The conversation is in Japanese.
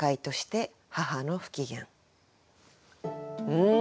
うん。